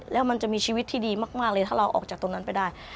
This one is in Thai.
แล้วมันจะมีชีวิตที่ดีมากเลยถ้าเราออกจากตรงนั้นไปได้